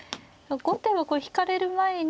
後手はこれを引かれる前に。